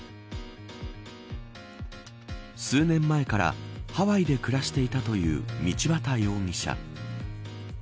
数年前からハワイで暮らしていたという道端容疑者。